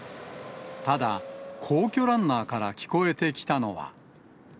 ただ、皇居ランナーから聞こえてきたのは。